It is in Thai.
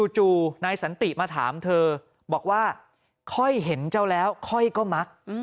จู่นายสันติมาถามเธอบอกว่าค่อยเห็นเจ้าแล้วค่อยก็มัก